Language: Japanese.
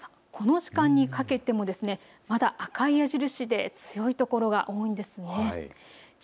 この時間にかけても赤い矢印で強いところが多いんです。